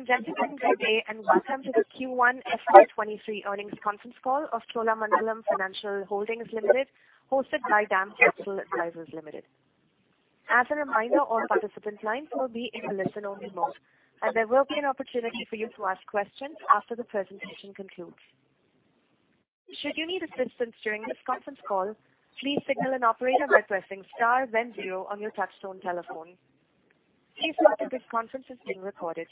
Ladies and gentlemen, good day, and welcome to the Q1 FY 2023 earnings conference call of Cholamandalam Financial Holdings Limited, hosted by DAM Capital Advisors Limited. As a reminder, all participant lines will be in a listen-only mode, and there will be an opportunity for you to ask questions after the presentation concludes. Should you need assistance during this conference call, please signal an operator by pressing star then zero on your touchtone telephone. Please note that this conference is being recorded.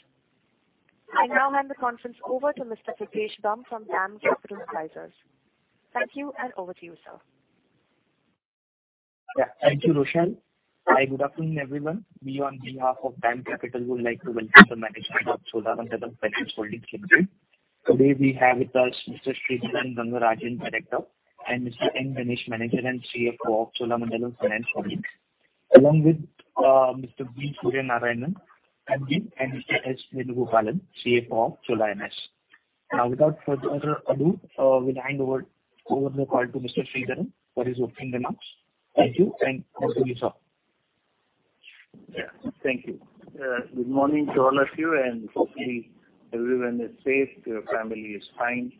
I now hand the conference over to Mr. Pritesh Bumb from DAM Capital Advisors. Thank you, and over to you, sir. Yeah. Thank you Rochelle. Hi good afternoon everyone. We, on behalf of DAM Capital, would like to welcome the management of Cholamandalam Financial Holdings Limited. Today we have with us Mr. Sridharan Rangarajan, Director, and Mr. N. Ganesh, Manager and Chief Financial Officer of Cholamandalam Financial Holdings, along with Mr. V. Suryanarayanan, MD, and Mr. S. Venugopalan, Chief Financial Officer of Cholamandalam MS. Now, without further ado, we'll hand over the call to Mr. Sridharan for his opening remarks. Thank you, and over to you, sir. Yeah. Thank you. Good morning to all of you, and hopefully everyone is safe your family is fine,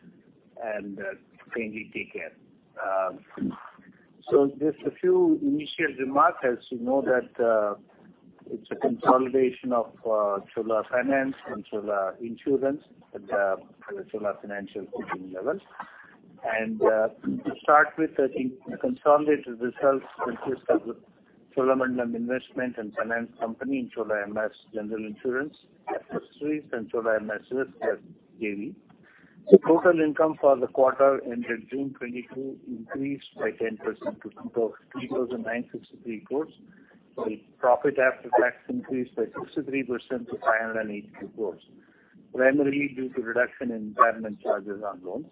and kindly take care. So just a few initial remarks. As you know that, it's a consolidation of Chola Finance and Chola Insurance at the Cholamandalam Financial Holdings level. To start with, I think the consolidated results consist of the Cholamandalam Investment and Finance Company and Cholamandalam MS General Insurance associates and Cholamandalam MS Risk as JV. The total income for the quarter ended June 2022 increased by 10% to 3,963 crores. The profit after tax increased by 63% to 582 crores, primarily due to reduction in impairment charges on loans.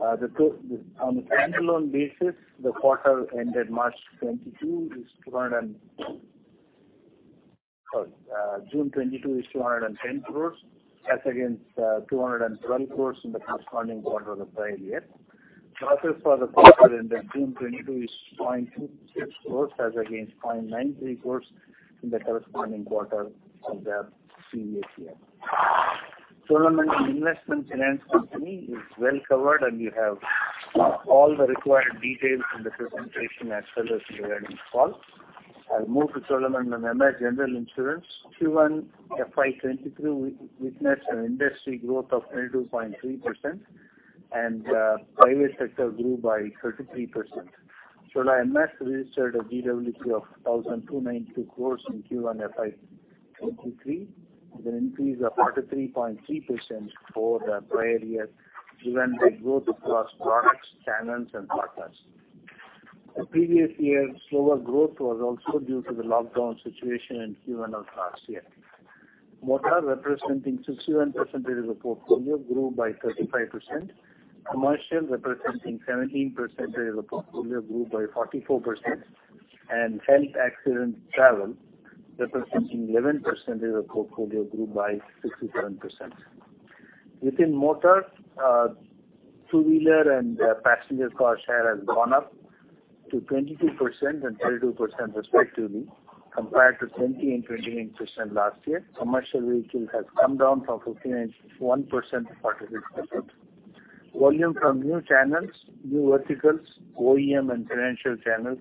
On a standalone basis, the quarter ended March 2022 is 200 crores. Sorry, June 2022 is 210 crores as against 212 crores in the corresponding quarter of the prior year. Losses for the quarter that ended June 2022 is 0.66 crores as against 0.93 crores in the corresponding quarter of the previous year. Cholamandalam Investment and Finance Company is well covered, and you have all the required details in the presentation as well as in the earnings call. I'll move to Cholamandalam MS General Insurance. Q1 FY 2023 witnessed an industry growth of 22.3%, and private sector grew by 33%. Chola MS registered a GWP of INR 1,292 crores in Q1 FY 2023. It's an increase of 43.3% over the prior year given the growth across products, channels and partners. The previous year slower growth was also due to the lockdown situation in Q1 of last year. Motor, representing 61% of the portfolio, grew by 35%. Commercial, representing 17% of the portfolio, grew by 44%. Health, accident travel representing 11% of the portfolio, grew by 67%. Within motor, two-wheeler and passenger car share has gone up to 22% and 32% respectively, compared to 20% and 28% last year. Commercial vehicle has come down from 15.1% to 46%. Volume from new channels, new verticals, OEM and financial channels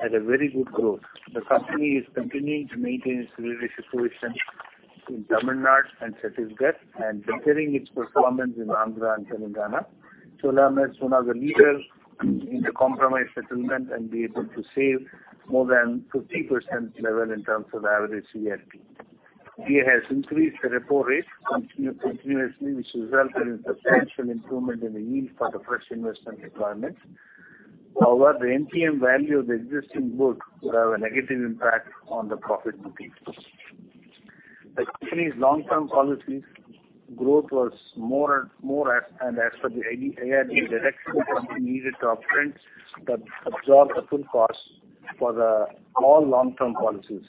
had a very good growth. The company is continuing to maintain its leadership position in Tamil Nadu and Chhattisgarh and bettering its performance in Andhra and Telangana. Chola MS, one of the leaders in the compromise settlement and be able to save more than 50% level in terms of average CIP. We has increased the repo rate continuously, which resulted in substantial improvement in the yield for the fresh investment requirements. However, the NPV value of the existing book could have a negative impact on the profit bookings. The company's long-term policies growth was more and more. As for the IRDAI directive, the company needed to upfront absorb the full cost for the all long-term policies.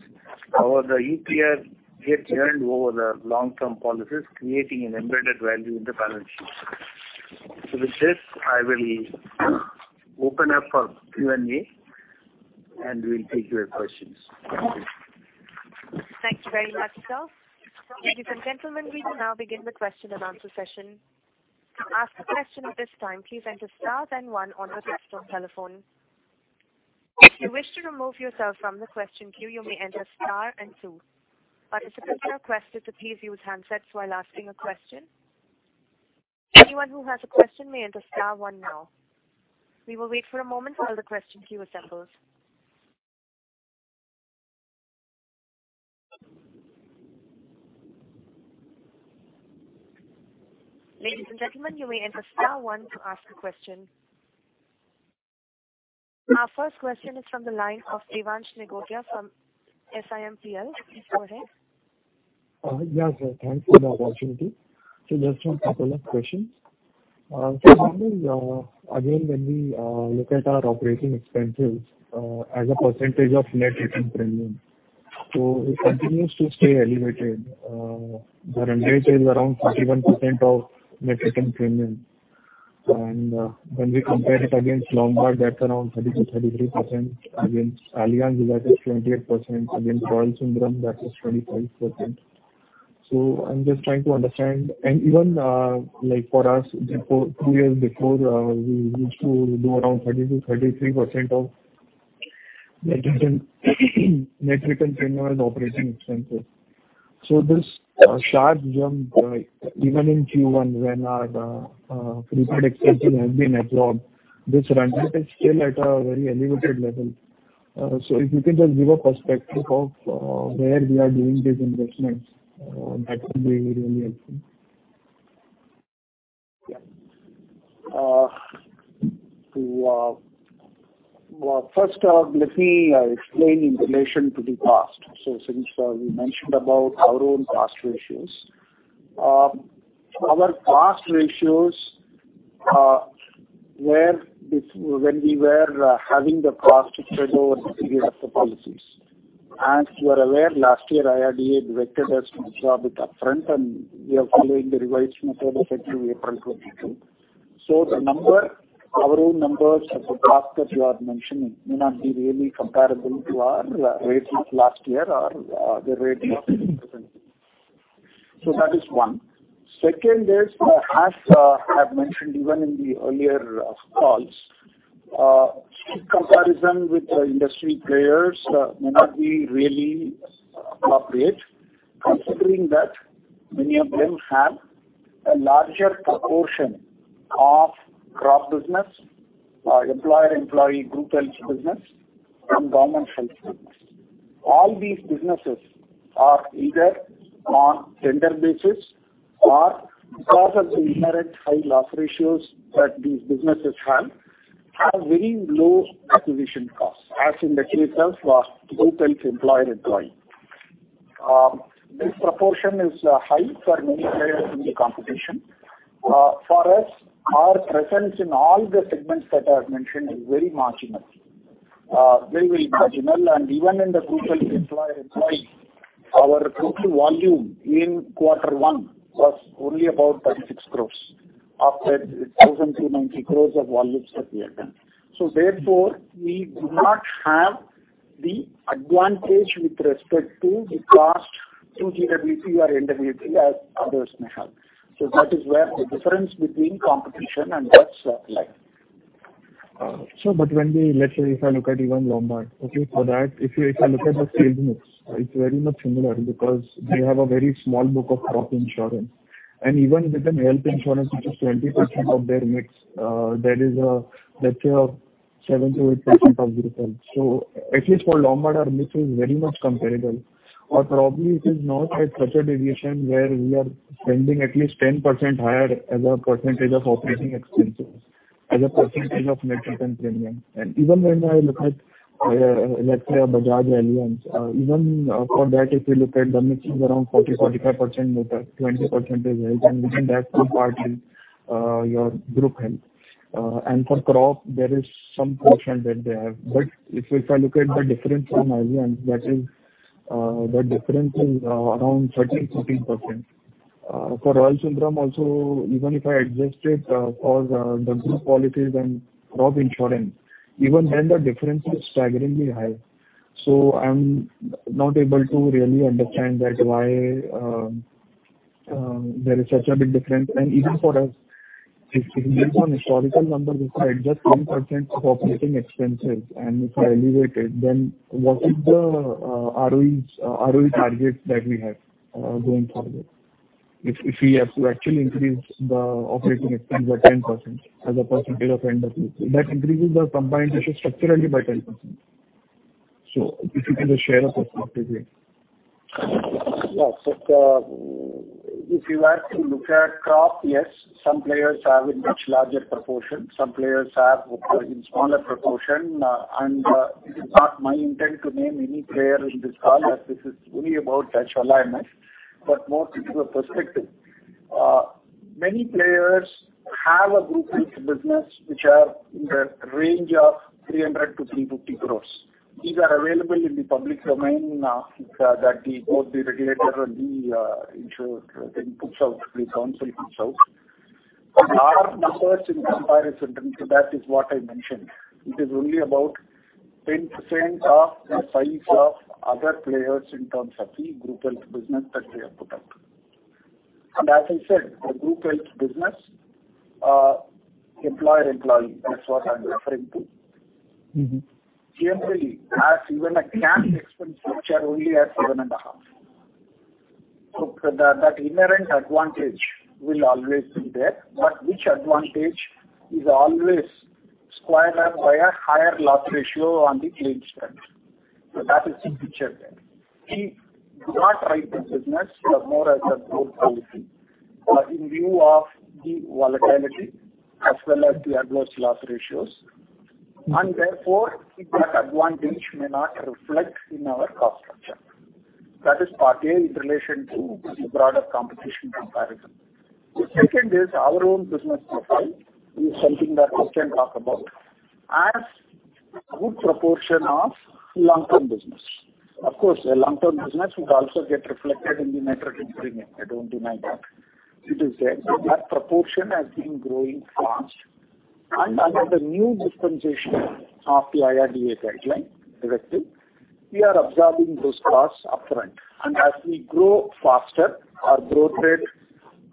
However, the EPR gets earned over the long-term policies, creating an embedded value in the balance sheet. With this, I will open up for Q&A, and we'll take your questions. Thank you. Thank you very much, sir. Ladies and gentlemen, we will now begin the question and answer session. To ask a question at this time, please enter star then one on your touchtone telephone. If you wish to remove yourself from the question queue, you may enter star and two. Participants are requested to please mute handsets while asking a question. Anyone who has a question may enter star one now. We will wait for a moment while the question queue assembles. Ladies and gentlemen, you may enter star one to ask a question. Our first question is from the line of Devansh Nigotia from SiMPL. Go ahead. Yes. Thank you for the opportunity. Just a couple of questions. Again, when we look at our operating expenses as a percentage of net written premium, it continues to stay elevated. The run rate is around 41% of net written premium. When we compare it against ICICI Lombard, that's around 30%-33%. Against Bajaj Allianz, that is 28%. Against Royal Sundaram, that is 25%. I'm just trying to understand. Even like for us two years before, we used to do around 30%-33% of net income, net written premium as operating expenses. This sharp jump even in Q1 when our prepaid expenses have been absorbed, this run rate is still at a very elevated level. If you can just give a perspective of where we are doing these investments that would be really helpful. Yeah. Well first off let me explain in relation to the past. Since we mentioned about our own cost ratios. Our cost ratios, when we were having the cost spread over the period of the policies. As you are aware, last year IRDA directed us to absorb it upfront, and we are following the revised method effective April 2022. The number, our own numbers of the cost that you are mentioning may not be really comparable to our rates of last year or the rate of this present year. That is one. Second is, as I've mentioned even in the earlier calls, comparison with the industry players may not be really appropriate considering that many of them have a larger proportion of crop business, employer-employee group health business, and government health business. All these businesses are either on tender basis or because of the inherent high loss ratios that these businesses have very low acquisition costs, as in the case of group health employer-employee. This proportion is high for many players in the competition. For us our presence in all the segments that I've mentioned is very marginal. Very, very marginal. Even in the group health employer-employee, our total volume in quarter one was only about 36 crores of the 1,290 crores of volumes that we have done. Therefore we do not have the advantage with respect to the cost through GWP or NWP as others may have. That is where the difference between competition and us lie. When we let's say if I look at even ICICI Lombard for that if you look at the sales mix, it's very much similar because they have a very small book of Crop Insurance. Even within Health Insurance, which is 20% of their mix there is let's say 7%-8% of group health. At least for ICICI Lombard, our mix is very much comparable. Or probably it is not at such a deviation where we are spending at least 10% higher as a percentage of operating expenses, as a percentage of net written premium. Even when I look at, let's say a Bajaj Allianz, even for that if you look at the mix is around 40%-45% motor, 20% is health, and within that a good part is your group health. For crop, there is some portion that they have. If I look at the difference from Allianz, the difference is around 13%-14%. For Royal Sundaram also, even if I adjust it for the group policies and crop insurance, even then the difference is staggeringly high. I'm not able to really understand why there is such a big difference. Even for us if based on historical numbers if I adjust 10% of operating expenses and if I elevate it, then what is the ROE targets that we have going forward? If we have to actually increase the operating expense by 10% as a percentage of NWP, that increases the combined ratio structurally by 10%. If you can just share your perspective here. Yeah. If you were to look at crop, yes, some players have a much larger proportion, some players have in smaller proportion. It is not my intent to name any player in this call as this is only about HDFC Life, but more to give a perspective. Many players have a group health business which are in the range of 300 crore-350 crore. These are available in the public domain, that both the regulator and the insurer then puts out, the council puts out. Our numbers in comparison to that is what I mentioned. It is only about 10% of the size of other players in terms of the group health business that we have put out. As I said, the group health business, employer-employee, that's what I'm referring to. Mm-hmm. Generally has even a claim expense ratio only at 7.5%. That inherent advantage will always be there. Which advantage is always squared up by a higher loss ratio on the claim side. That is the picture there. We do not write this business more as a group policy, in view of the volatility as well as the adverse loss ratios. Therefore, that advantage may not reflect in our cost structure. That is part A in relation to the broader competition comparison. The second is our own business profile is something that we can talk about. A good proportion of long-term business. Of course, the long-term business would also get reflected in the net rating premium. I don't deny that. It is there. That proportion has been growing fast. Under the new dispensation of the IRDA guideline directive, we are absorbing those costs upfront. As we grow faster, our growth rate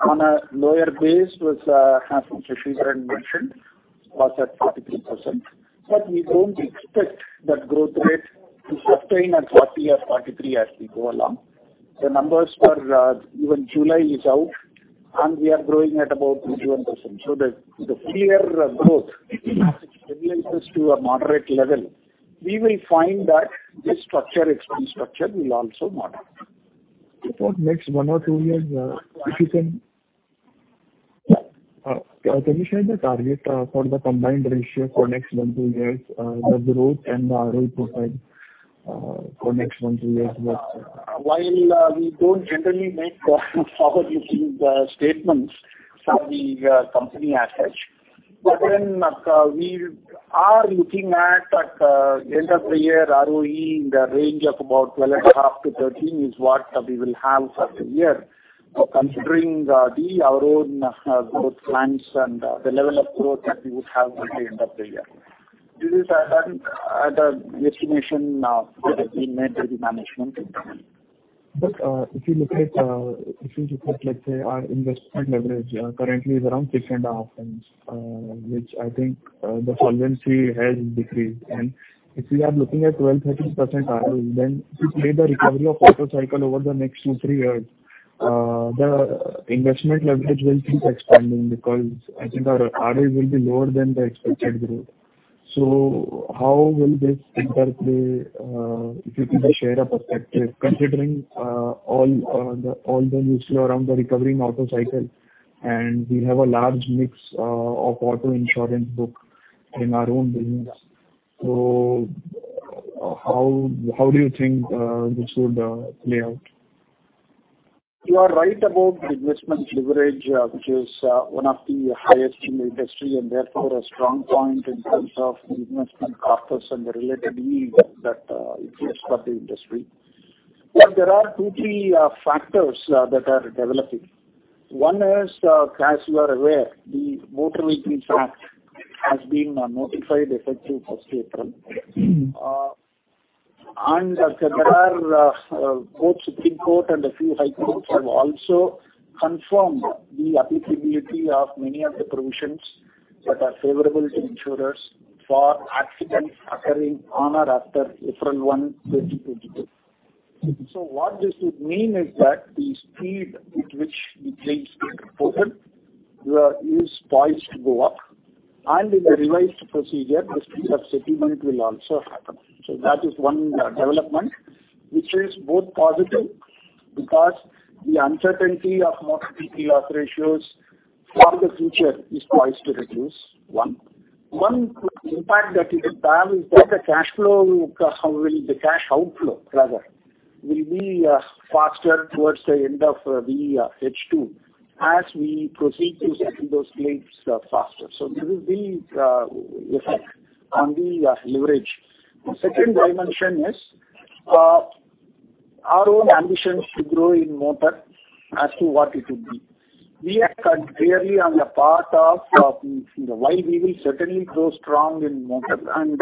on a lower base was, as Sridharan mentioned, at 43%. But we don't expect that growth rate to sustain at 40 or 43 as we go along. The numbers for even July are out, and we are growing at about 21%. The clear growth as it stabilizes to a moderate level we will find that this structure, expense structure will also moderate. For next one or two years, if you can. Yeah. Can you share the target for the combined ratio for next one to two years, the growth and the ROE profile for next one to two years as well, sir? While we don't generally make forward-looking statements for the company as such, but then we are looking at, like, end of the year ROE in the range of about 12.5%-13% is what we will have for the year. Considering our own growth plans and the level of growth that we would have by the end of the year. This is an estimation that has been made by the management. If you look at, let's say, our investment leverage, currently is around 6.5x, which I think the solvency has decreased. If we are looking at 12%-13% ROE, then if we made the recovery of auto cycle over the next two to three years, the investment leverage will keep expanding because I think our ROE will be lower than the expected growth. How will this impact the, if you see the share price perspective, considering all the news flow around the recovering auto cycle, and we have a large mix of auto insurance book in our own business. How do you think this would play out? You are right about the investment leverage, which is one of the highest in the industry, and therefore a strong point in terms of the investment purpose and the related yield that it gives for the industry. There are two, three factors that are developing. One is as you are aware the Motor Vehicles Act has been notified effective first April. Mm-hmm. There are both Supreme Court and a few High Courts have also confirmed the applicability of many of the provisions that are favorable to insurers for accidents occurring on or after April 1, 2022. What this would mean is that the speed at which the claims get reported is poised to go up. In the revised procedure, the speed of settlement will also happen. That is one development which is both positive because the uncertainty of motor OD loss ratios for the future is poised to reduce. One impact that it will have is that the cash outflow rather will be faster towards the end of the H2 as we proceed to settle those claims faster. There will be effect on the leverage. The second dimension is our own ambitions to grow in motor as to what it would be. We are clearly on the path of while we will certainly grow strong in motor and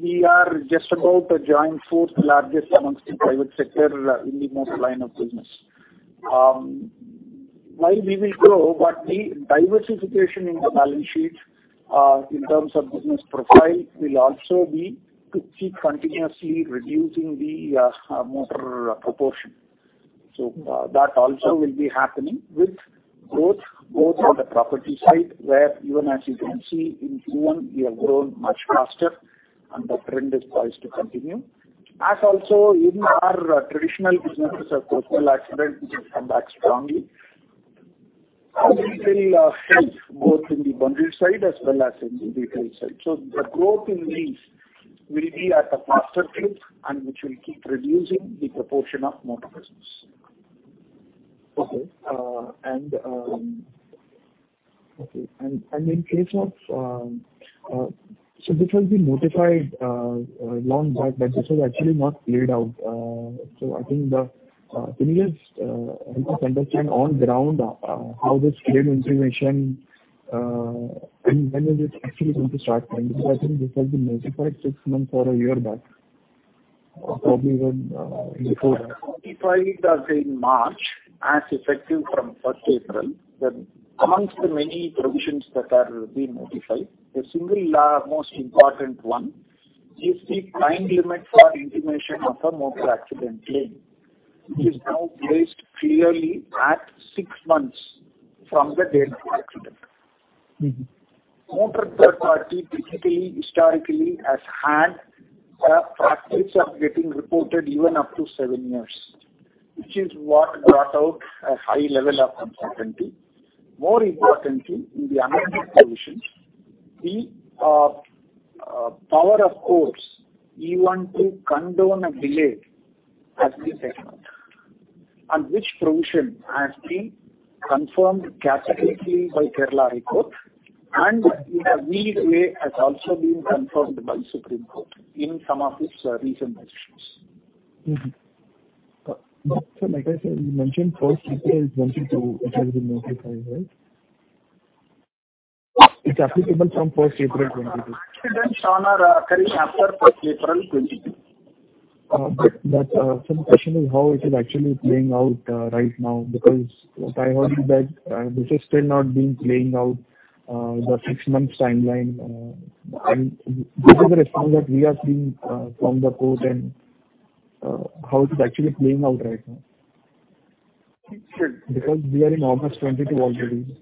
we are just about to join fourth largest among the private sector in the motor line of business. While we will grow, but the diversification in the balance sheet in terms of business profile will also be to keep continuously reducing the motor proportion. That also will be happening with growth both on the property side, where even as you can see in Q1, we have grown much faster and the trend is poised to continue. As also in our traditional businesses of personal accident, which has come back strongly. We will help both in the bundled side as well as in the retail side. The growth in these will be at a faster clip and which will keep reducing the proportion of motor business. This has been notified long back, but this was actually not played out. I think can you just help us understand on ground how this claim intimation when is it actually going to start coming? Because I think this has been notified six months or a year back, or probably even before that. Notified in March, effective from first April. Amongst the many provisions that are being notified, the single most important one is the time limit for intimation of a motor accident claim. Mm-hmm. Which is now placed clearly at six months from the date of accident. Mm-hmm. Motor third party typically, historically has had a practice of getting reported even up to seven years, which is what brought out a high level of uncertainty. More importantly, in the amended provisions, the power of courts even to condone a delay has been taken out. Which provision has been confirmed categorically by High Court of Kerala and in a unique way has also been confirmed by Supreme Court of India in some of its recent decisions. Like I said, you mentioned first April 2022 it has been notified, right? It's applicable from first April 2022. Accidents on or occurring after first April 2022. The question is how it is actually playing out right now because what I heard is that this has still not been playing out the six months timeline. This is the response that we are seeing from the court and how it is actually playing out right now. Sure. Because we are in August 2022 already.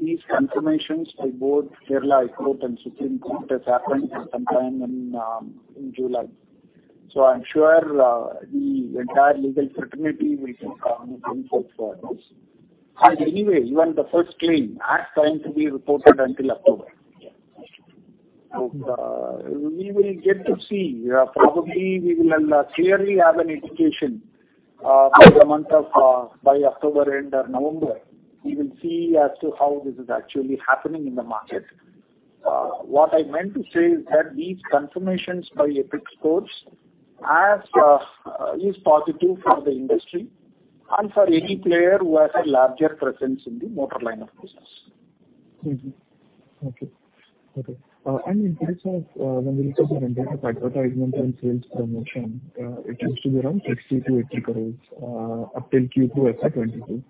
These confirmations by both High Court of Kerala and Supreme Court of India have happened sometime in July. I'm sure the entire legal fraternity will take cognizance for this. Anyway, even the first claim has time to be reported until October. We will get to see. Probably we will clearly have an indication by October end or November; we will see as to how this is actually happening in the market. What I meant to say is that these confirmations by apex courts is positive for the industry and for any player who has a larger presence in the motor line of business. When we look at the spend of advertisement and sales promotion, it used to be around 60 crores-80 crores up till Q2 FY 2022.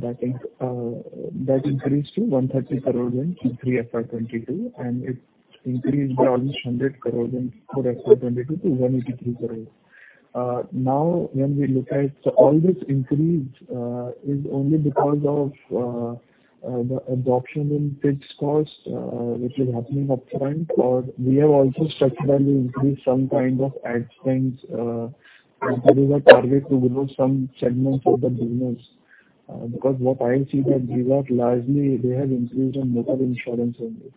That increased to 130 crores in Q3 FY 2022, and it increased by almost 100 crores in FY 2022 to 183 crores. Now, when we look at all this increase, it is only because of the addition in fixed costs, which is happening upfront, or we have also structurally increased some kind of ad spends, because we were targeting to grow some segments of the business. What I see is that we have largely increased on motor insurance only.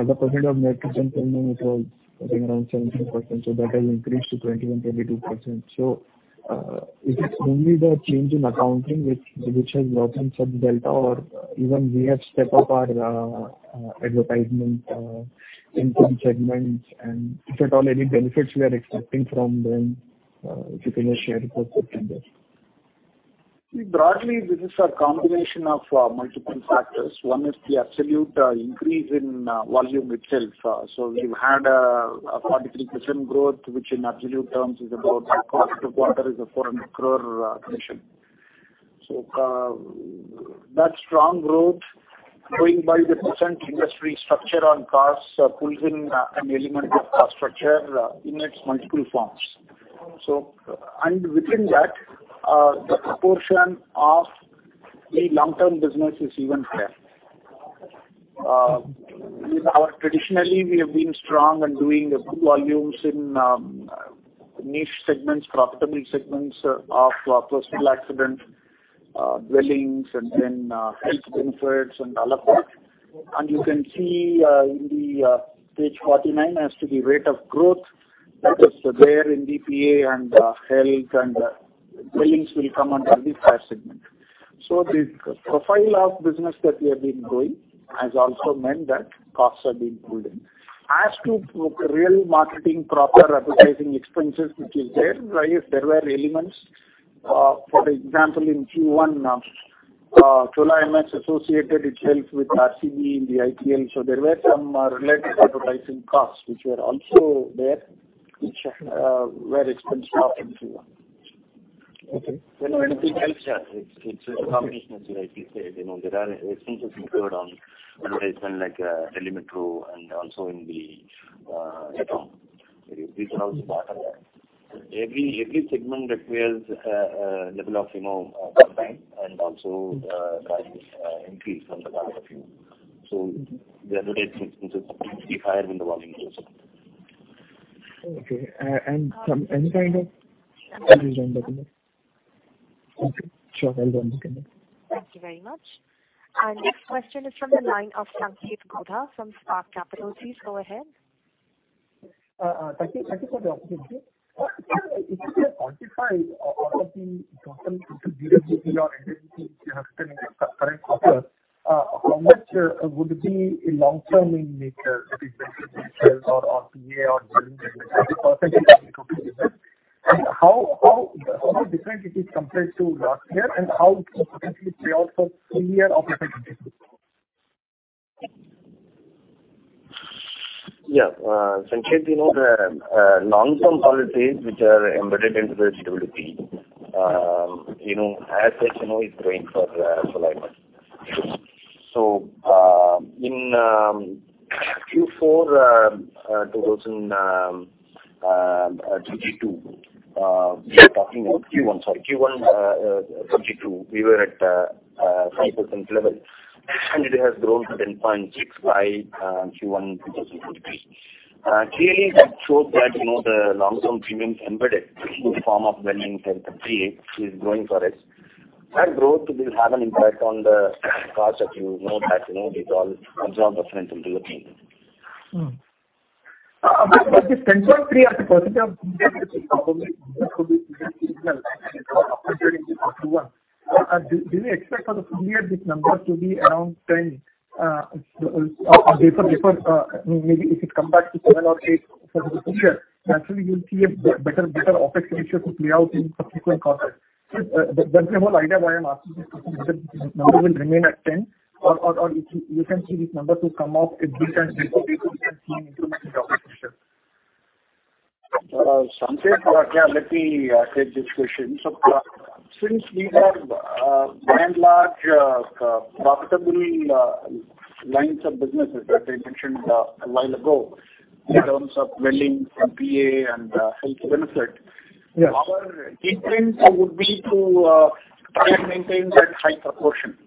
As a percent of net premium, it was I think around 17%, so that has increased to 21%-22%. Is it only the change in accounting which has brought in some delta or even we have stepped up our advertisement in some segments, and if at all any benefits we are expecting from them, if you can just share with us, that's it. See broadly this is a combination of multiple factors. One is the absolute increase in volume itself. We've had a 43% growth, which in absolute terms is about, per quarter, an INR 400 crore addition. That strong growth going by the present industry structure on cars pulls in an element of cost structure in its multiple forms. Within that, the proportion of the long-term business is even higher. With us traditionally we have been strong and doing good volumes in niche segments, profitable segments of Personal Accident, Dwellings and then Health Insurance and other products. You can see on page 49 as to the rate of growth that is there in the PA and Health and Dwellings will come under the third segment. The profile of business that we have been growing has also meant that costs have been pulled in. As to real marketing, proper advertising expenses which is there, right, there were elements. For example in Q1, Chola MS associated itself with RCB in the IPL. There were some related advertising costs which were also there, which were expensive in Q1. Okay. When it helps us, it's a combination as you rightly said. You know, there are expenses incurred on advertisement like Delhi Metro and also in the OTT. These are also part of that. Every segment requires a level of, you know campaign and also drives increase from the brand review. The advertising expenses will be higher when the volume grows. Okay. Sure. I'll join the connect. Thank you very much. Our next question is from the line of Sanketh Godha from Spark Capital. Please go ahead. Thank you for the opportunity. If you can quantify out of the total P&C or indemnity you have spent in the current quarter, how much would be long-term in nature that is dedicated to sales or PA or dwellings? How different it is compared to last year and how it potentially play out for full year of effective business? Since you know the long-term policies which are embedded into the GWP, you know, as such you know it's growing for Chola MS. In Q1 2022, we were at 5% level, and it has grown to 10.6% by Q1 2023. Clearly that shows that, you know, the long-term premiums embedded in the form of dwelling, health and PA is growing for us. That growth will have an impact on the cost that you know that it all absorbs the financial team. Mm-hmm. The central pre as a percentage of Do we expect for the full year this number to be around 10%, or they could differ, maybe if it come back to 7% or 8% for the full year, naturally you'll see a better OpEx ratio to play out in subsequent quarters? That's the whole idea why I'm asking this question, whether this number will remain at 10% or if you can see this number to come off a bit and see an improvement in the OpEx ratio. Sanket, yeah let me take this question. Since we have large, profitable lines of businesses that I mentioned a while ago. Yes. In terms of lending and PA and health benefit. Yes. Our intent would be to try and maintain that high proportion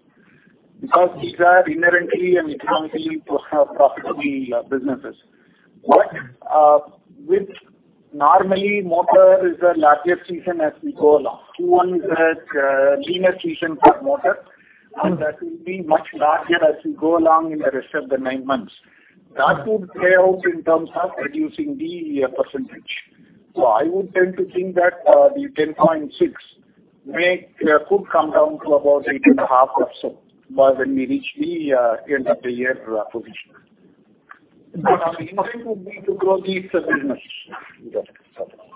because these are inherently and economically profitable businesses. With normally motor is the largest season as we go along. Q1 is a leaner season for motor, and that will be much larger as we go along in the rest of the nine months. That would play out in terms of reducing the percentage. I would tend to think that the 10.6% may could come down to about 8.5% or so by when we reach the end of the year position. Our intent would be to grow these businesses.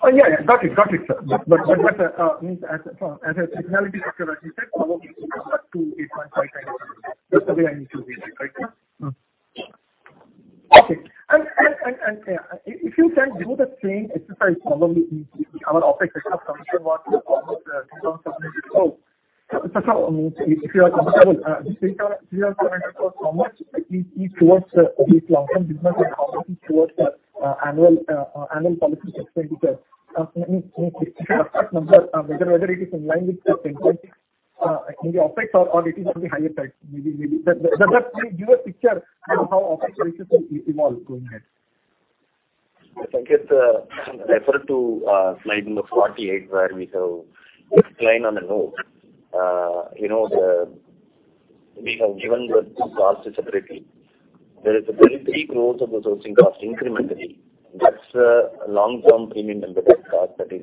Oh yeah Got it sir. As a technicality like you said probably it will come back to 8.5 kind of a number. That's the way I need to read it, right? Yes. If you can do the same exercise probably in our OpEx ratio coming from what was almost three point seven years ago. If you are comfortable, just break down 3,900 for how much is towards the long-term business and how much is towards the annual policy subscription. I mean number whether it is in line with the 10.6 maybe OpEx or it is on the higher side. Maybe that give a picture of how OpEx ratio can evolve going ahead. If I could refer to slide number 48 where we have decline on a note. You know, we have given the two costs separately. There is INR 23 crores of the sourcing cost incrementally. That's a long-term premium embedded cost that is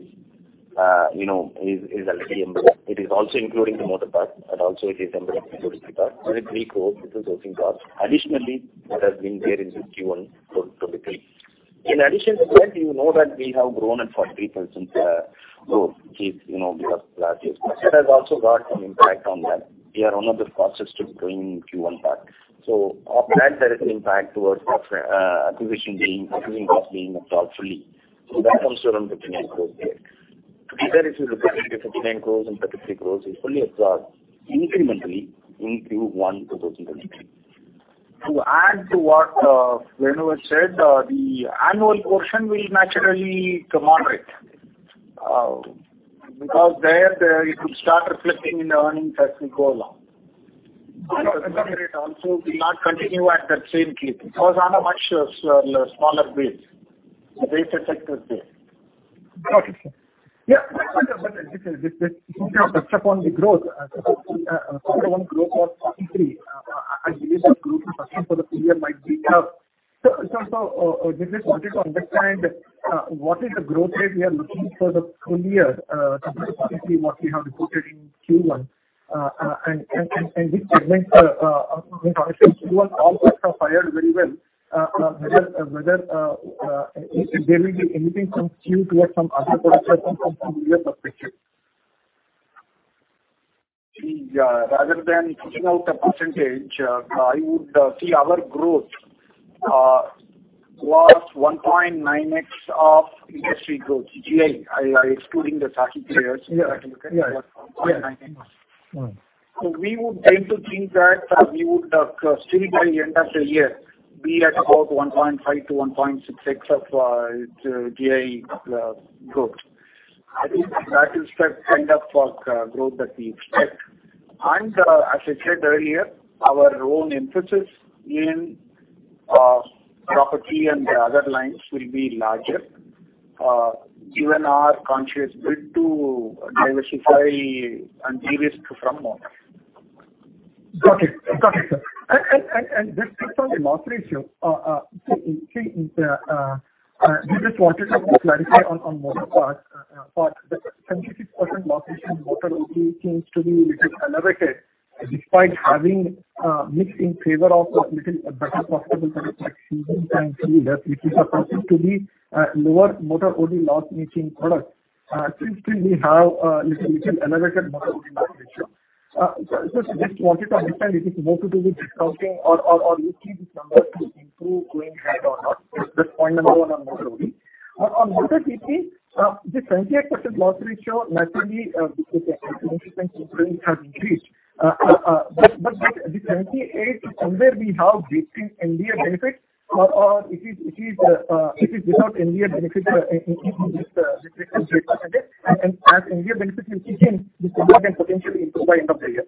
already embedded. It is also including the motor part, and also it is embedded in the motor part. There is INR 3 crore, which is sourcing cost. Additionally, that has been there in the Q1 for the claim. In addition to that, you know that we have grown at 40% growth this, you know, the last year. That has also got some impact on that. We are in the process to bring Q1 back. Of that there is an impact towards OpEx, acquisition cost being absorbed fully. That comes to around INR 59 crores there. Together if you look at it, the INR 59 crores and INR 33 crores is fully absorbed incrementally in Q1 2023. To add to what Venugopalan said, the annual portion will naturally moderate, because there it will start reflecting in the earnings as we go along. Okay. The claim rate also will not continue at that same clip. It was on a much smaller base. The data set was there. Got it. Yeah. Just to touch upon the growth, Q1 growth was 43%. I believe the growth for the full year might be half. Just wanted to understand what is the growth rate we are looking for the full year compared to possibly what we have reported in Q1. Which segments, I mean obviously Q1 all parts have fired very well. Whether there will be anything from Q2 or some other products or some from full year perspective. Rather than additional percentage, I would see our growth was 1.9x of industry growth, GI, excluding the SAHI players. Yeah. Yeah. If I had to look at 1.9x. Mm-hmm. We would tend to think that we would still by the end of the year be at about 1.5x-1.6x of GI growth. I think that is the kind of growth that we expect. As I said earlier, our own emphasis in property and the other lines will be larger. Given our conscious bid to diversify and de-risk from motor. Got it. Got it, sir. Just quickly on the loss ratio. So we just wanted to clarify on motor part. For the 76% loss ratio in motor only seems to be a little elevated despite having mixed in favor of a little better profitable kind of like OD and OD less, which is supposed to be lower motor only loss making product. Still we have a little elevated motor only loss ratio. So just wanted to understand if it's more to do with discounting or you see this number to improve going ahead or not. That's point number one on motor only. On motor TP, the 78% loss ratio naturally because the claim frequency has increased. The 78 is somewhere we have baked in Ind AS benefit or it is without Ind AS benefit, it is just 78%. As Ind AS benefit kicks in, this number can potentially improve by end of the year.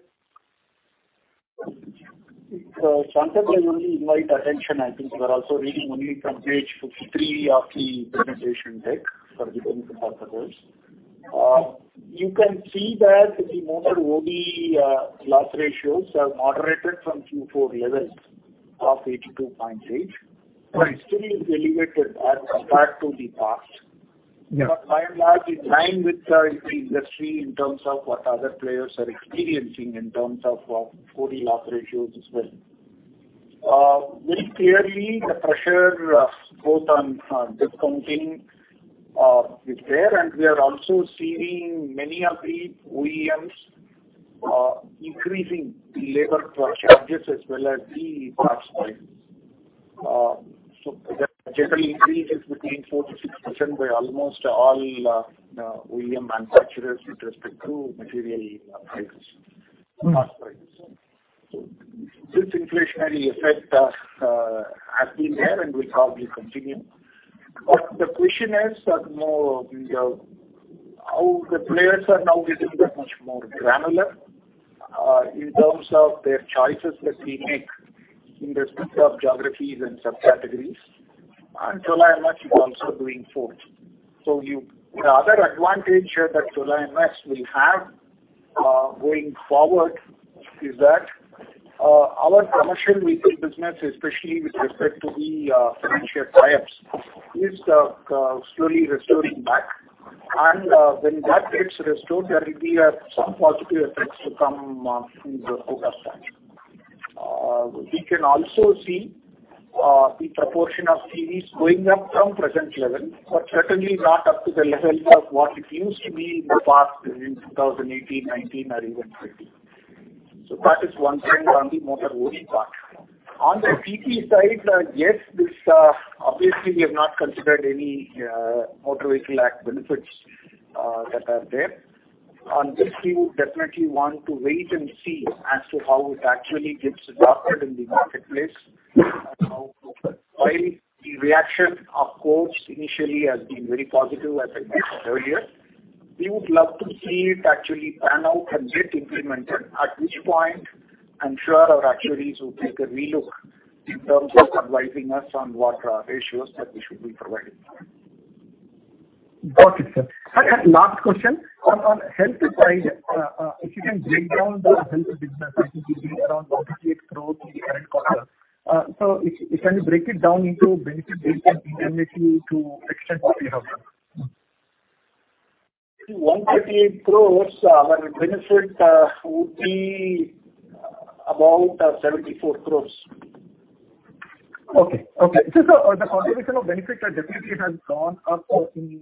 Sanketh, I only invite attention. I think you are also reading only from page 53 of the presentation deck for the purpose. You can see that the motor OD loss ratios have moderated from Q4 levels of 82.8%. Right. It still is elevated as compared to the past. Yeah. By and large, in line with the industry in terms of what other players are experiencing in terms of OD loss ratios as well. Very clearly the pressure both on debt funding is there, and we are also seeing many of the OEMs increasing the labor charges as well as the parts price. That generally increases 4%-6% by almost all OEM manufacturers with respect to material prices. Mm-hmm. This inflationary effect has been there and will probably continue. The question is that more we how the players are now getting much more granular in terms of their choices that they make in respect of geographies and subcategories. Chola MS is also doing so. The other advantage that Chola MS will have going forward is that our commercial vehicle business, especially with respect to the financial tie-ups is slowly restoring back. When that gets restored, there will be some positive effects to come in the forecast time. We can also see the proportion of two-wheelers going up from present level, but certainly not up to the levels of what it used to be in the past in 2018, 2019 or even 2020. That is one thing on the motor OD part. On the TP side, yes, obviously we have not considered any Motor Vehicles Act benefits that are there. On this we would definitely want to wait and see as to how it actually gets adopted in the marketplace and how. While the reaction of course, initially has been very positive, as I mentioned earlier, we would love to see it actually pan out and get implemented, at which point I'm sure our actuaries will take a re-look in terms of advising us on what ratios that we should be providing. Got it, sir. Last question. On the health side, if you can break down the health business, it will be around INR 138 crores in the current quarter. If you can break it down into benefit-based and indemnity to the extent that you have that. INR 138 crores, where benefit would be about INR 74 crores. Okay. The contribution of benefits definitely has gone up in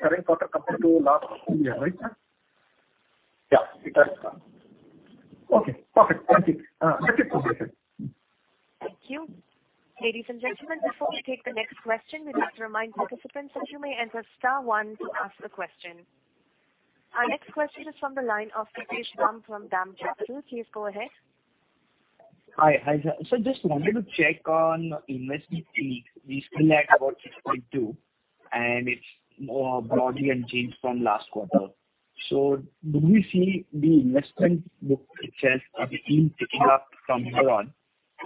current quarter compared to last year, right, sir? Yeah. It has gone up. Okay, perfect. Thank you. Thank you so much, sir. Thank you. Ladies and gentlemen, before we take the next question, we'd like to remind participants that you may enter star one to ask a question. Our next question is from the line of Pritesh Bumb from DAM Capital. Please go ahead. Hi sir. Just wanted to check on investment yield. We still at about 6.2% and it's more or less unchanged from last quarter. Do we see the investment book itself or the yield picking up from here on?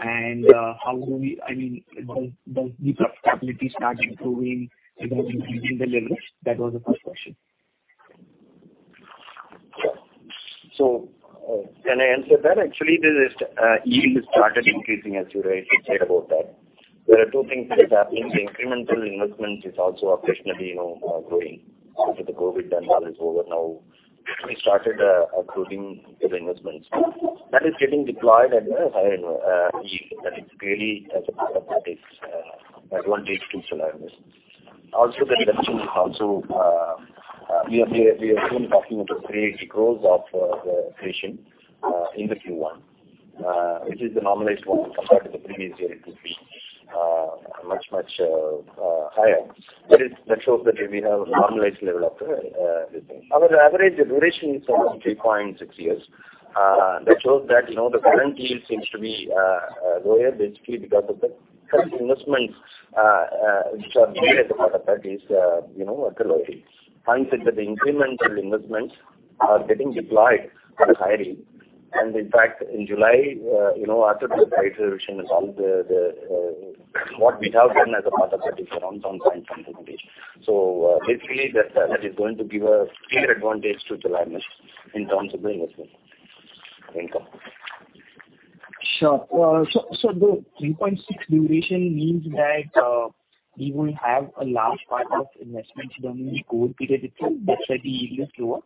How do we, I mean, does the profitability start improving even at these levels? That was the first question. Can I answer that? Actually, this is yield started increasing as you rightly said about that. There are two things that is happening. The incremental investment is also occasionally, you know, growing after the COVID turmoil is over now. We started approving the investments. That is getting deployed at a higher yield. That is really as a part of that is advantage to Chola MS. Also the redemption is also we are soon talking about INR 380 crores of the creation in the Q1. Which is the normalized one compared to the previous year it could be much higher. That shows that we have a normalized level of this thing. Our average duration is around three point six years. That shows that, you know, the current yield seems to be lower basically because of the current investments, which are made as a part of that is, you know, at the lower yields. Since the incremental investments are getting deployed at a higher yield. In fact, in July, you know, after this price revision is all the what we have done as a part of that is around some time from the release. Basically that is going to give a clear advantage to Chola MS in terms of the investment income. The three point six duration means that we will have a large part of investments during the COVID period itself. That's why the yield is lower.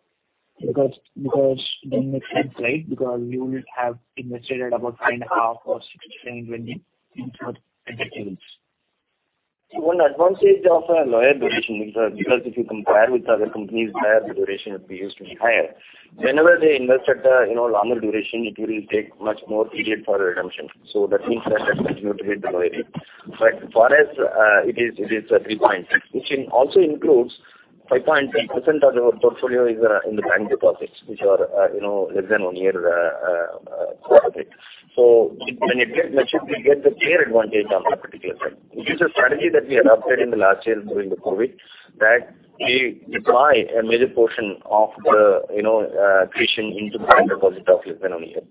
Because during the COVID, because you would have invested at about 10.5 or 6.20 into fixed yields. One advantage of a lower duration is because if you compare with other companies where the duration would be used to be higher. Whenever they invest at a you know longer duration, it will take much more period for redemption. That means that continues to be diluting. For us it is three point six, which also includes 5.3% of the portfolio in the bank deposits, which are you know less than one year deposit. When it gets matured we get the clear advantage on that particular front which is a strategy that we adopted in the last year during the COVID, that we deploy a major portion of the you know creation into bank deposit of less than one year.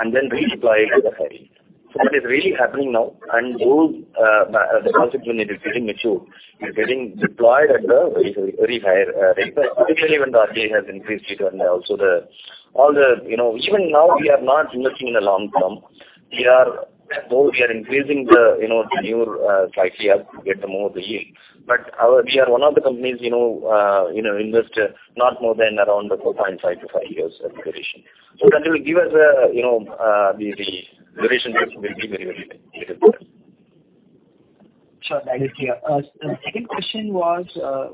And then redeploy it at a high. It is really happening now. Those the concept when it is getting mature, it's getting deployed at a very higher rate. Especially when the RBI has increased return and also all the, you know, even now we are not investing in the long term. We are though we are increasing the, you know, the newer type here to get some more of the yield. But we are one of the companies, you know, invest not more than around the four point five to five years of duration. That will give us a, you know, the duration risk will be very little. Sure. That is clear. Second question was,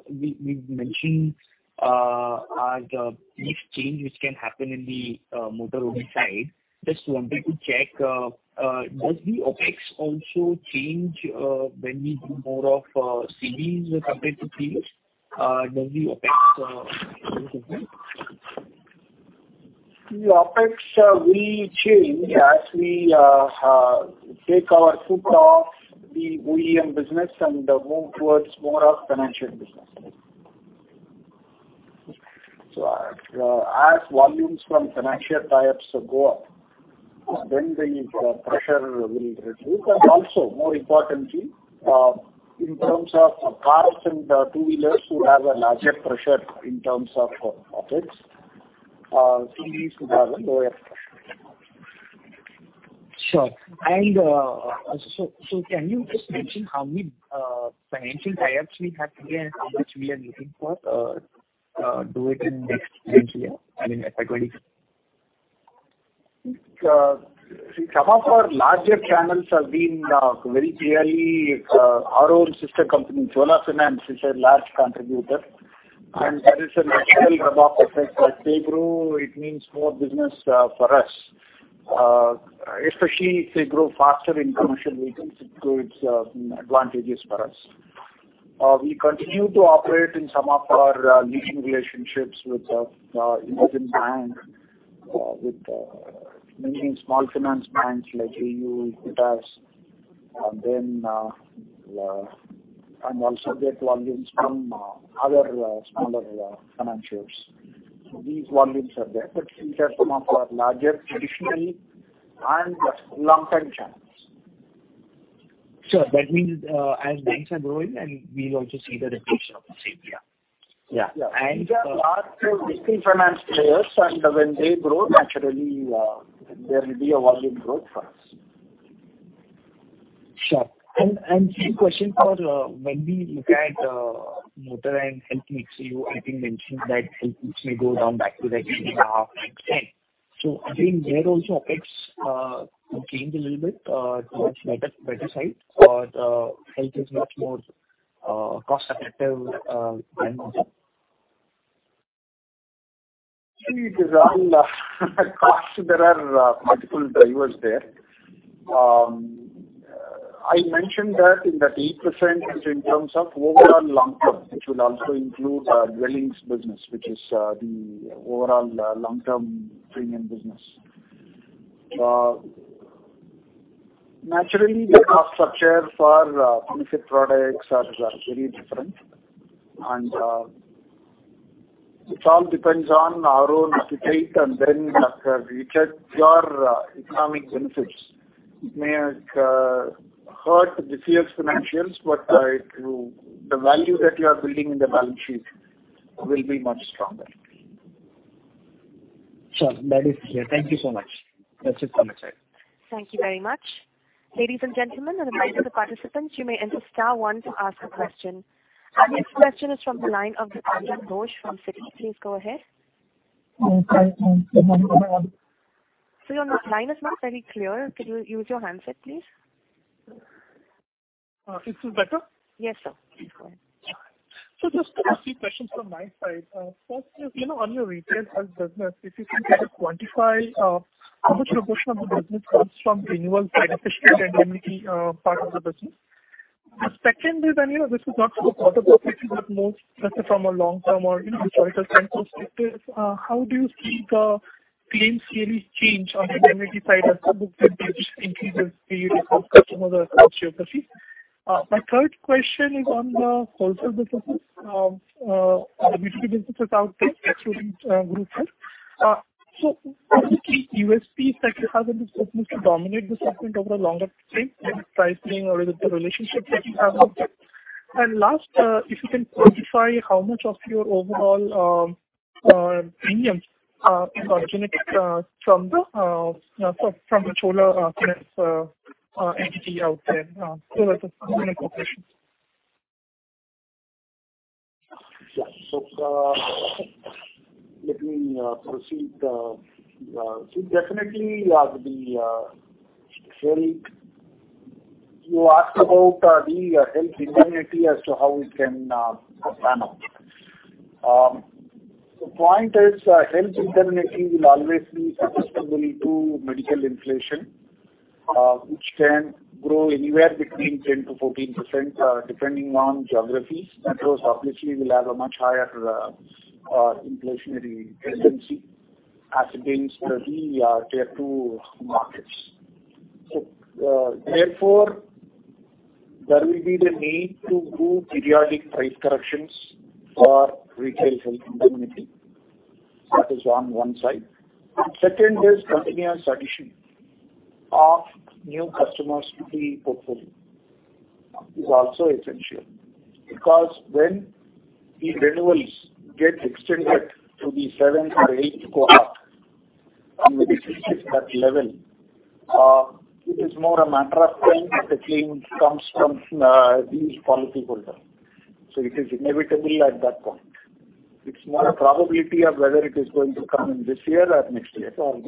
we've mentioned the mix change which can happen in the motor only side. Just wanted to check, does the OpEx also change when we do more of CVs compared to two-wheelers? Does the OpEx also change? The OpEx will change as we take our foot off the OEM business and move towards more of financial business. As volumes from financial tie-ups go up, then the pressure will reduce. Also more importantly, in terms of cars and two-wheelers who have a larger pressure in terms of OpEx, CVs will have a lower pressure. Sure. Can you just mention how many financial tie-ups we have today and how much we are looking to do in next financial year, I mean, at 20? Some of our larger channels have been very clearly our own sister company. Chola Finance is a large contributor, and that is a natural network effect that they grow. It means more business for us. Especially if they grow faster in commercial vehicles, it grows advantages for us. We continue to operate in some of our leading relationships with Indian Bank, with many small finance banks like Equitas, Ujjivan, and also get volumes from other smaller financials. These volumes are there, but these are some of our larger traditional and lump-sum channels. Sure. That means, as banks are growing and we'll also see the repetition of the same. Yeah. Yeah. And, uh- These are large distinct finance players, and when they grow, naturally, there will be a volume growth for us. Sure. Few questions for when we look at motor and health mix, I think mentioned that health mix go down back to like 18.5, 19. So again, there also OpEx change a little bit towards better side, or health is much more cost effective than motor? It is all cost. There are multiple drivers there. I mentioned that in that 8% is in terms of overall long-term, which will also include, dwellings business, which is, the overall, long-term premium business. Naturally, the cost structure for benefit products are very different. It all depends on our own appetite and then we check your economic benefits. It may hurt the CS financials, but the value that you are building in the balance sheet will be much stronger. Sure. That is clear. Thank you so much. That's it from my side. Thank you very much. Ladies and Gentlemen, a reminder to participants you may enter star one to ask a question. Our next question is from the line of Dipanjan Ghosh from Citi. Please go ahead. Sir, your line is not very clear. Could you use your handset, please? Is this better? Yes, sir. It's fine. Just a few questions from my side. First is, you know, on your retail health business, if you can kind of quantify how much proportion of the business comes from renewal side efficient and indemnity part of the business. The second is, and you know, this is not for the quarter perspective, but more let's say from a long-term or, you know, historical perspective. How do you see the claims really change on the indemnity side as the book business increases the customer geography? My third question is on the wholesale businesses. The B2B business is out there, excluding group health. What are the key USPs that you have in this business to dominate this segment over a longer period, whether it's pricing or is it the relationships that you have with them? Last, if you can quantify how much of your overall premiums are generated from the Chola Finance entity out there. That's the four main questions. Yeah. Let me proceed. Definitely, you asked about the health indemnity as to how it can pan out. The point is, health indemnity will always be susceptible to medical inflation, which can grow anywhere between 10%-14%, depending on geographies. Metros obviously will have a much higher inflationary tendency as against the tier two markets. There will be the need to do periodic price corrections for retail health indemnity. That is on one side. Second is continuous addition of new customers to the portfolio is also essential because when the renewals get extended to the 7th or 8th cohort and it reaches that level, it is more a matter of time that the claim comes from, these policyholders. It is inevitable at that point. It's more a probability of whether it is going to come in this year or next year or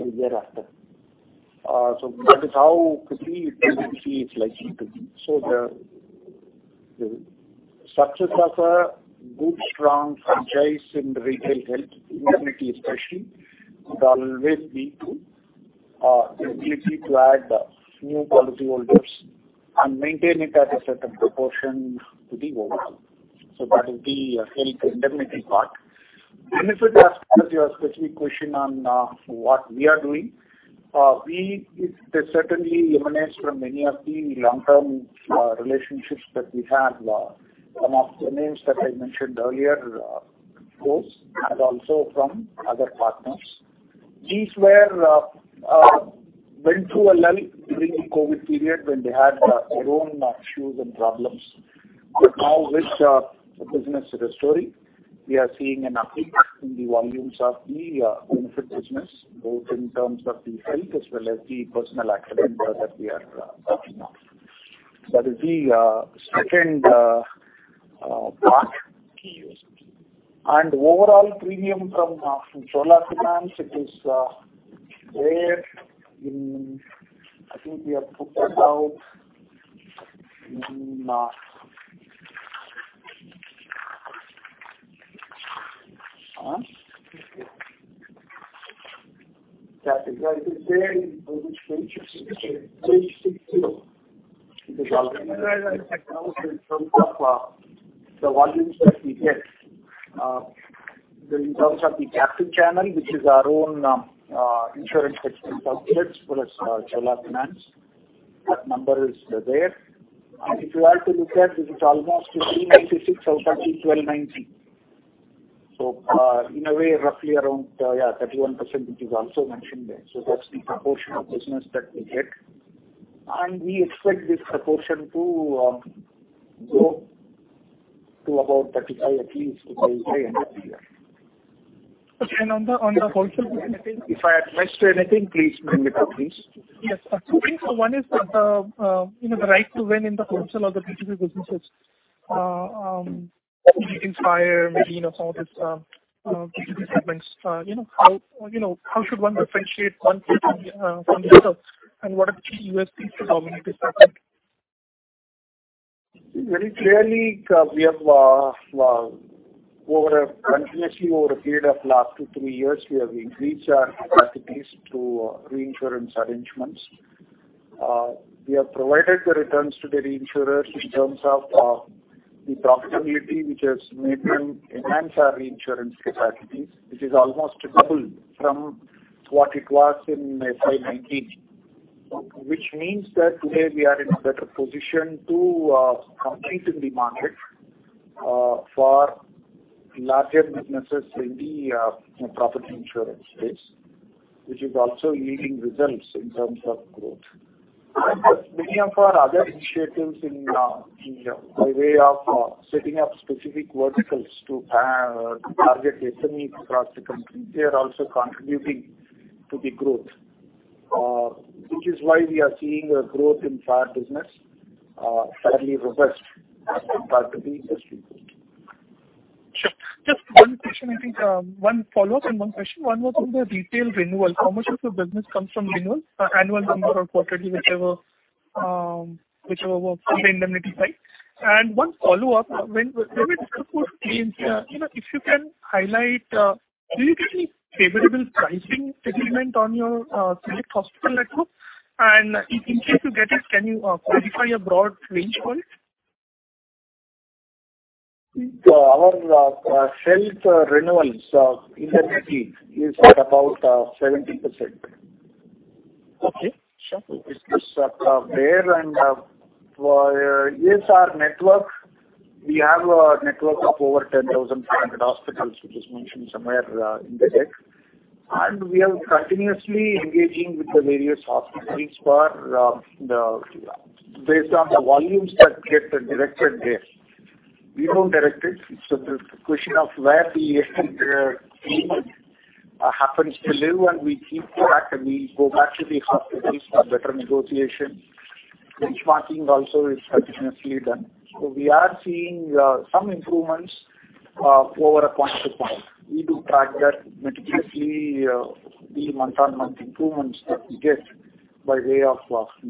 the year after. That is how quickly it tends to see it's likely to be. The success of a good, strong franchise in the retail health, indemnity especially, would always be to, the ability to add new policyholders and maintain it at a certain proportion to the overall. That is the health indemnity part. Benefit as per your specific question on what we are doing, they certainly emanates from many of the long-term relationships that we have. Some of the names that I mentioned earlier, of course, and also from other partners. These went through a lull during the COVID period when they had their own issues and problems. Now with the business restoring, we are seeing an uptick in the volumes of the benefit business, both in terms of the health as well as the personal accident that we are talking of. That is the second part. Overall premium from Chola Finance, it is there. I think we have put that out in. It is there in page 62. It is also there in terms of the volumes that we get. In terms of the captive channel, which is our own insurance distribution outlets plus Chola Finance. That number is there. If you have to look at, this is almost 1,596 out of 1,290. In a way roughly around 31%, which is also mentioned there. That's the proportion of business that we get. We expect this proportion to grow to about 35 at least by the end of the year. Okay. On the wholesale end, I think. If I missed anything, please remind me, please. Yes. Two things. One is the you know, the right to win in the wholesale or the B2B businesses, insurance maybe, you know, some of these B2B segments. You know, how should one differentiate one from the others? What are the key USPs to dominate this segment? Very clearly, we have continuously over a period of last two, three years, we have increased our capacities to reinsurance arrangements. We have provided the returns to the reinsurers in terms of the profitability, which has made them enhance our reinsurance capacities. This is almost double from what it was in FY 2019. Which means that today we are in a better position to compete in the market for larger businesses in the, you know, property insurance space, which is also yielding results in terms of growth. Plus many of our other initiatives in by way of setting up specific verticals to target SMEs across the country, they are also contributing to the growth. Which is why we are seeing a growth in prior business, fairly robust as compared to the industry growth. Sure. Just one question, I think, one follow-up and one question. One was on the retail renewal. How much of your business comes from renewals, annual renewal or quarterly, whichever works on the indemnity side? One follow-up, when we discuss post claims, you know, if you can highlight, do you get any favorable pricing settlement on your select hospital network? If in case you get it, can you quantify a broad range for it? Our health renewals indemnity is at about 70%. Okay, sure. It's just there and for cashless network, we have a network of over 10,500 hospitals, which is mentioned somewhere in the deck. We are continuously engaging with the various hospitals for based on the volumes that get directed there. We don't direct it, so the question of where the patient happens to live and we keep track and we go back to the hospitals for better negotiation. Benchmarking also is continuously done. We are seeing some improvements over a point to point. We do track that meticulously the month-on-month improvements that we get by way of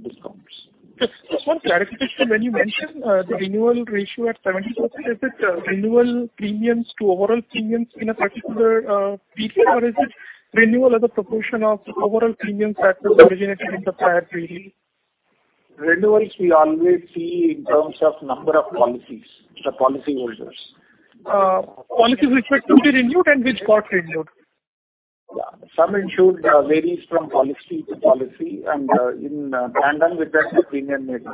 discounts. Just one clarification. When you mentioned the renewal ratio at 70%, is it renewal premiums to overall premiums in a particular period or is it renewal as a proportion of overall premiums that were originated in the prior period? Renewals we always see in terms of number of policies, the policyholders. Policies which were to be renewed and which got renewed. Sum insured varies from policy to policy and, in tandem with that, is being admitted.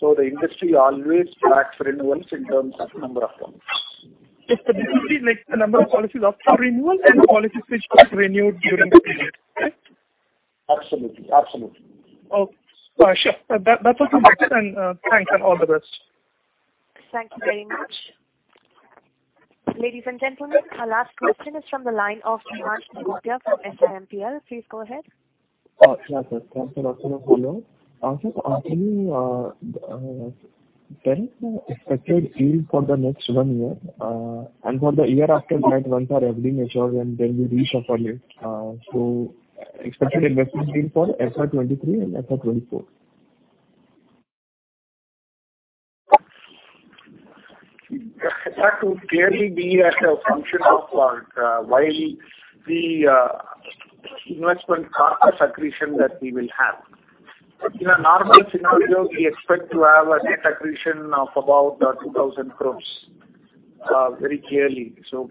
The industry always lacks renewals in terms of number of policies. It's basically like the number of policies up for renewal and the policies which get renewed during the period, correct? Absolutely. Absolutely. Oh, sure. That was Mm-hmm. As indicated then, thanks and all the best. Thank you very much. Ladies and gentlemen, our last question is from the line of Devansh Nigotia from SiMPL. Please go ahead. Yeah. Thanks a lot for the follow-up. Also, can you tell us the expected yield for the next one year and for the year after that once our FD matures and we will reinvest it, expected investment yield for FY 2023 and FY 2024. That would clearly be as a function of the investment accretion that we will have. In a normal scenario, we expect to have an accretion of about 2,000 crore, very clearly. To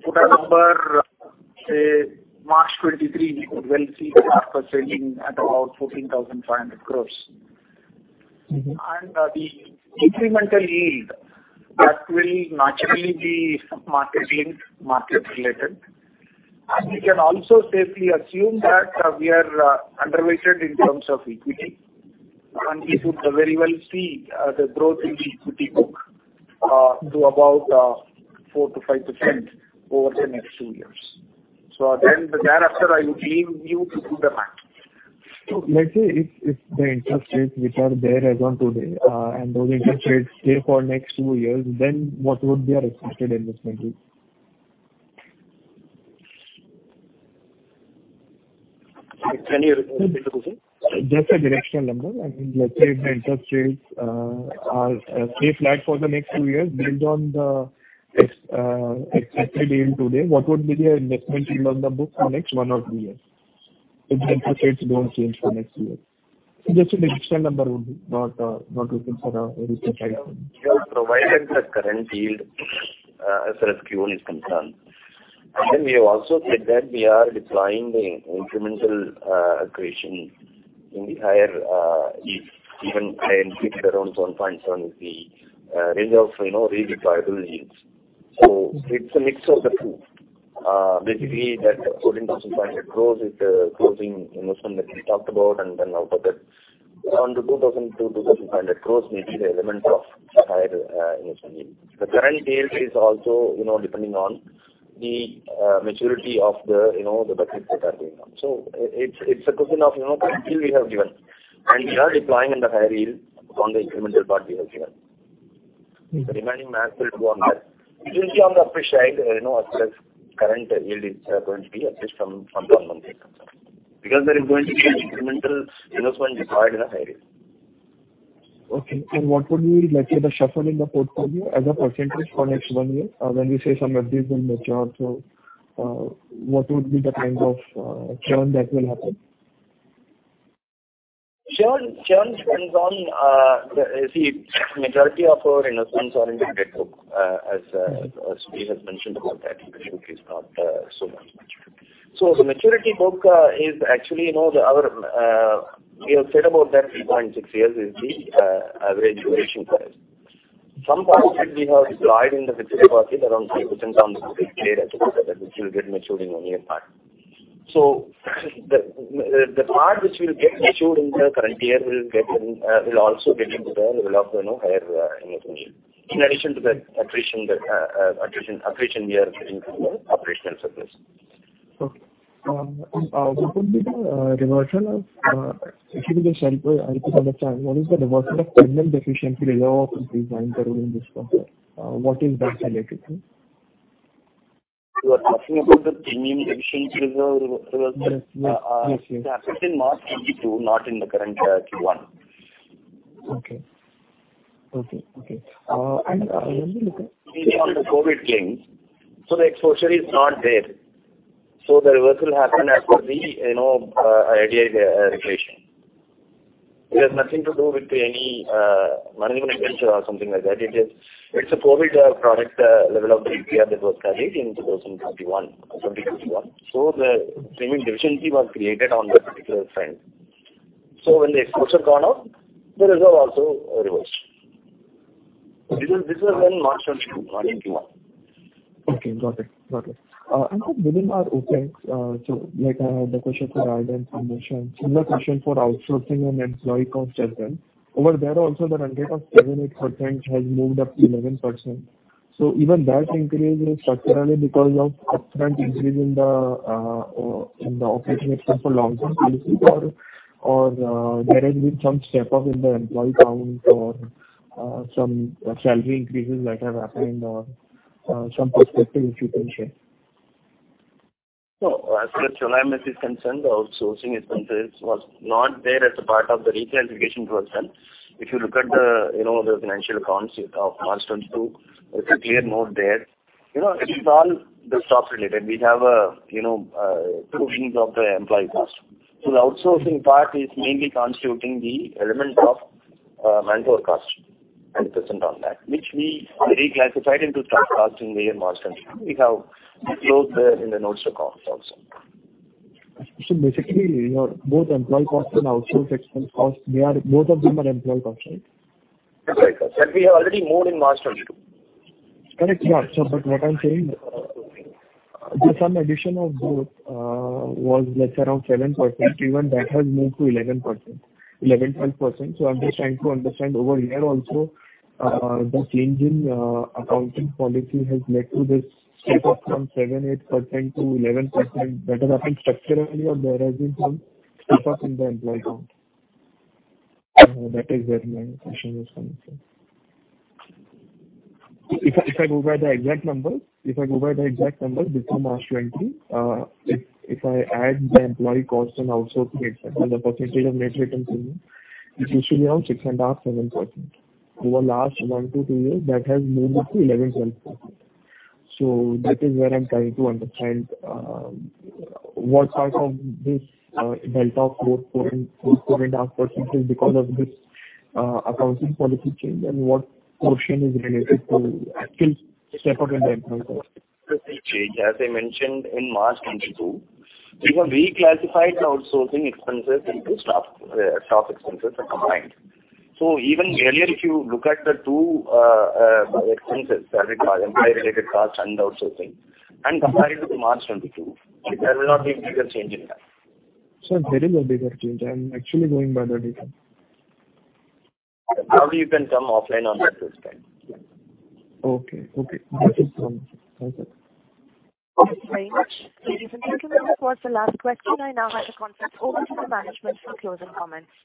put a number, say March 2023 we could well see the after trading at about 14,500 crore. Mm-hmm. The incremental yield that will naturally be market linked, market related. We can also safely assume that we are underrated in terms of equity, and we could very well see the growth in the equity book to about 4%-5% over the next two years. Thereafter I would leave you to do the math. Let's say if the interest rates which are there as on today, and those interest rates stay for next two years, then what would be our expected investment yield? Can you repeat the question? Just a directional number. I mean, let's say if the interest rates are stay flat for the next two years based on the expected yield today, what would be the investment yield on the books for next one or two years if the interest rates don't change for next two years? Just a directional number only, not looking for a very precise one. We have provided the current yield as far as Q1 is concerned. Then we have also said that we are deploying the incremental accretion in the higher yield, even higher yield around 1.7% with the range of, you know, redeployable yields. It's a mix of the two. Basically that INR 14,500 crore is the closing investment that we talked about, and then out of that around 2,000 crore-2,500 crore may be the element of higher investment yield. The current yield is also, you know, depending on the maturity of the, you know, the business that are going on. It's a question of, you know, currently we have given. We are deploying in the higher yield on the incremental part we have here. Mm-hmm. The remaining math will go on there. It will be on the upper side, you know, as far as current yield is going to be, at least from one month data. Because there is going to be an incremental investment deployed in a higher yield. Okay. What would be, let's say, the shuffle in the portfolio as a percentage for next one year? When you say some FDs will mature, what would be the kind of churn that will happen? Churn depends on, see, majority of our investments are in the debt book, as we have mentioned about that. Equity is not so much matured. The maturity book is actually, you know, our, we have said about that three point six years is the average duration for it. Some part which we have deployed in the retail market around INR 3,000-INR 10,000 will be cleared, which will get matured in one year part. The part which will get matured in the current year will get in, will also get into the, you know, higher investment yield. In addition to that accretion we are getting from the operational surplus. Okay. What would be the reversion of if we just Mm-hmm. I could understand what is the provision of premium deficiency reserve which we find growing in this quarter? What is that related to? You are talking about the premium deficiency reserve? Yes. That happened in March 2022, not in the current Q1. Okay, when we look at. Maybe on the COVID claims. The exposure is not there. The reversal happened as the, you know, IRDAI regulation. It has nothing to do with any management venture or something like that. It is it's a COVID product level of the UPR that was carried in 2021 or 2021. The premium deficiency was created on that particular front. When the exposure gone off, the reserve also reversed. This was in March 2022, not in Q1. Okay, got it. Within our OpEx, like, the question for ad and sales promotion and similar question for outsourcing and employee cost as well. Over there also the run rate of 7%-8% has moved up to 11%. Even that increase is structurally because of upfront increase in the operating expense for long term policies or there has been some step up in the employee count or some salary increases that have happened or some perspective if you can share. No. As far as Solvency is concerned, the outsourcing expenses was not there as a part of the reclassification process. If you look at the, you know, the financial accounts of March 2022, there's a clear note there. You know, it is all the staff related. We have a, you know, two wings of the employee cost. So the outsourcing part is mainly constituting the element of manpower cost and 10% on that, which we reclassified into staff costs in May and March 2022. We have disclosed that in the notes to accounts also. Basically, your both employee costs and outsourced expense costs, they are both of them employee costs, right? That's right. That we have already moved in March 2022. Correct. Yeah. What I'm saying, the sum addition of both was less around 7%. Even that has moved to 11%, 12%. I'm just trying to understand over here also, the change in accounting policy has led to this step-up from 7%, 8% to 11%. That has happened structurally or there has been step-up in the employee count? That is where my question was coming from. If I go by the exact numbers before March 2020, if I add the employee costs and outsourcing expense as a percentage of net revenue, it's usually around 6.5, 7%. Over the last one to two years, that has moved up to 11, 12%. That is where I'm trying to understand what part of this delta of 4.5% because of this accounting policy change and what portion is related to actual step-up in the employee cost. The change, as I mentioned in March 2022, we have reclassified outsourcing expenses into staff expenses. Staff expenses are combined. Even earlier, if you look at the two expenses, employee-related costs and outsourcing, and compare it to March 2022, there will not be a bigger change in that. Sir, there is a bigger change. I'm actually going by the data. How can you come offline on that perspective? Okay. Okay. Thank you. Thank you. Thank you very much. Thank you. That was the last question. I now have to hand over to the management for closing comments.